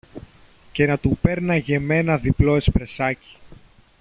και να του πέρναγε με ένα διπλό εσπρεσάκι